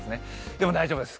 でも大丈夫です。